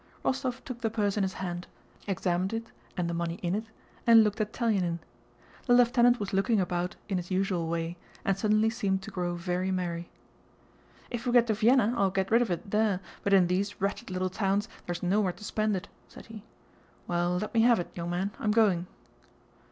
Rostóv took the purse in his hand, examined it and the money in it, and looked at Telyánin. The lieutenant was looking about in his usual way and suddenly seemed to grow very merry. "If we get to Vienna I'll get rid of it there but in these wretched little towns there's nowhere to spend it," said he. "Well, let me have it, young man, I'm going."